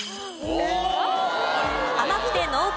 甘くて濃厚！